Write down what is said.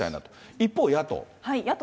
一方、野党。